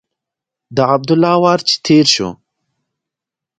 د عبدالله وار چې تېر شو.